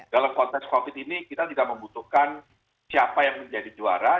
dalam konteks covid ini kita tidak membutuhkan siapa yang menjadi juara